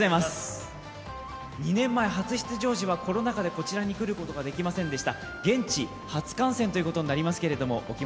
２年前、初出場時はコロナでこちらに来ることができませんでした。